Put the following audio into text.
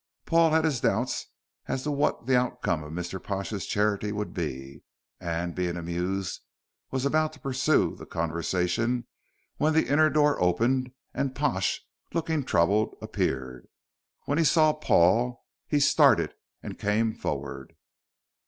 Paul had his doubts as to what the outcome of Mr. Pash's charity would be, and, being amused, was about to pursue the conversation, when the inner door opened and Pash, looking troubled, appeared. When he saw Paul he started and came forward.